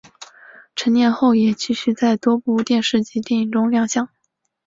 成年后也继续在多部电视及电影中亮相。